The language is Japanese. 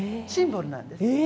シンボルなんです。